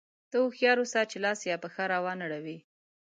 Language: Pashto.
ته هوښیار اوسه چې لاس یا پښه را وانه وړې.